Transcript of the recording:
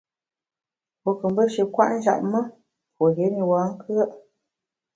Pue nkù mbe shi nkwet njap me, pue rié ne bankùe’.